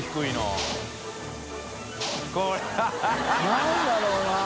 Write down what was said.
何だろうな？